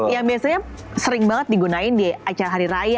yang biasanya sering banget digunakan di acara hari raya